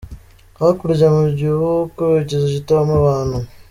Hakurya mugihuku, ikizu kitabamo abantu.